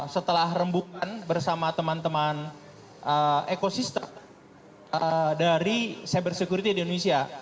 setelah rembukan bersama teman teman ekosistem dari cyber security di indonesia